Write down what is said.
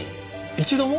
一度も？